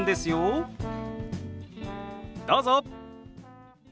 どうぞ！